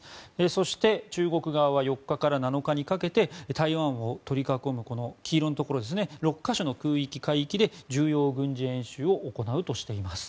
そして、中国側は４日から７日にかけて台湾を取り囲むこの黄色のところ６か所の空域、海域で重要軍事演習を行うとしています。